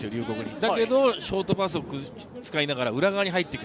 だけどショートパスを使いながら、裏側に入っていく。